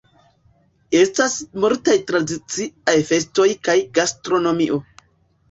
Estas multaj tradiciaj festoj kaj gastronomio.